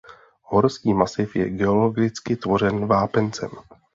Horský masiv je geologicky tvořen vápencem.